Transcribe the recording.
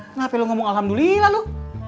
kenapa lu ngomong alhamdulillah lu